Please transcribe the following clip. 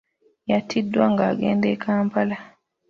Yatiddwa ng'agenda e Kampala.